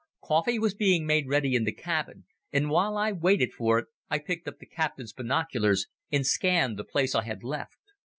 Coffee was being made ready in the cabin, and while I waited for it I picked up the captain's binoculars and scanned the place I had left.